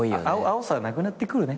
青さはなくなってくるね